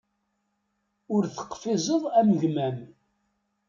Ur teqfizeḍ am gma-m.